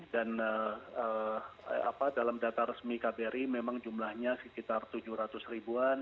dan dalam data resmi kbri memang jumlahnya sekitar tujuh ratus ribuan